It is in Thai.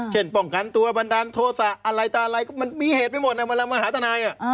เช่นป้องกันตัวบันดาลโทษะอะไรมีเหตุไปหมดถ้าเขามาหาทนาย